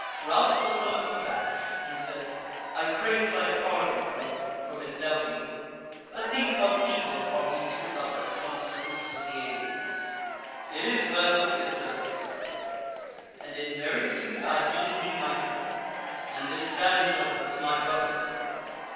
Ralph was somewhat abashed, and said: "I crave thy pardon, Lord, for misdoubting thee: but think how feeble are we two lovers amongst the hosts of the aliens." "It is well, it is well," said Bull, "and in very sooth I deem thee my friend; and this damsel was my brother's friend.